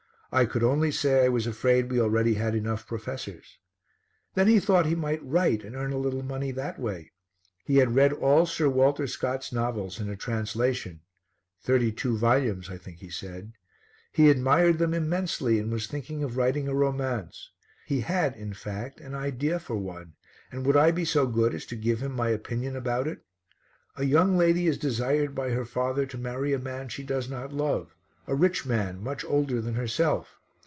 I could only say I was afraid we already had enough professors. Then he thought he might write and earn a little money that way; he had read all Sir Walter Scott's novels in a translation thirty two volumes I think he said; he admired them immensely and was thinking of writing a romance; he had in fact an idea for one, and would I be so good as to give him my opinion about it? A young lady is desired by her father to marry a man she does not love, a rich man, much older than herself.